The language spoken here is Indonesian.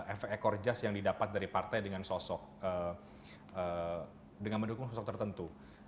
efek ekor jas yang didapat dari partai dengan mendukung sosok tertentu